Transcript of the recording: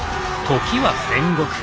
時は戦国。